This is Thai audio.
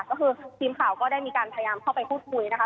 ก็คือทีมข่าวก็ได้มีการพยายามเข้าไปพูดคุยนะคะ